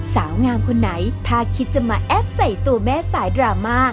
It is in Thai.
สาวงามคนไหนถ้าคิดจะมาแอปใส่ตัวแม่สายดราม่า